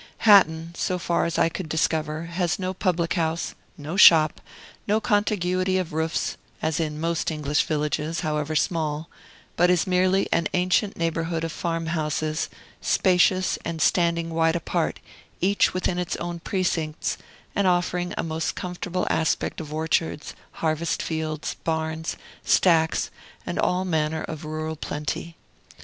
Hatton, so far as I could discover, has no public house, no shop, no contiguity of roofs (as in most English villages, however small), but is merely an ancient neighborhood of farm houses, spacious, and standing wide apart, each within its own precincts, and offering a most comfortable aspect of orchards, harvest fields, barns, stacks, and all manner of rural plenty.